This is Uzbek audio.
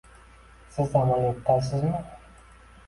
Siz amaliyotdasizmi?